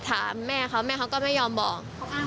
ถามแม่เขาแม่เขาก็ไม่ยอมบอก